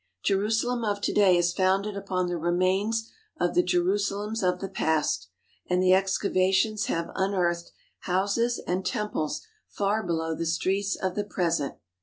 Jerusalem of to day is founded upon the remains of the Jerusalems of the past, and the excavations have un earthed houses and temples far below the streets of the present.